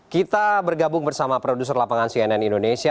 kita bergabung bersama produser lapangan cnn indonesia